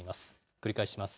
繰り返します。